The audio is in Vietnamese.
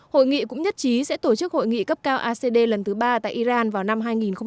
hội nghị cũng nhất trí sẽ tổ chức hội nghị cấp cao acd lần thứ ba tại iran vào năm hai nghìn hai mươi